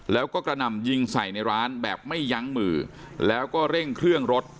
แล้วก็กระหน่ำยิงใส่ในร้านแบบไม่ยั้งมือแล้วก็เร่งเครื่องรถ